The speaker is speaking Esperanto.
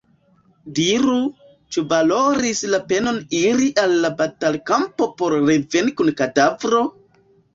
Diru, ĉu valoris la penon iri al la batalkampo por reveni kun kadavro?”